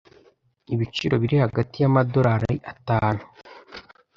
Ibiciro biri hagati y amadorari atanu.